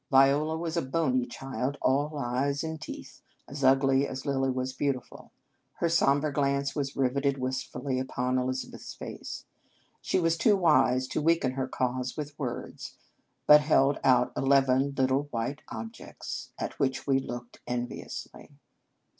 Viola was a bony child, all eyes and teeth, as ugly as Lilly was beautiful. Her sombre glance was riveted wistfully upon Elizabeth s face. She was too wise to weaken her cause with words, but held out eleven little white objects, at which we looked enviously.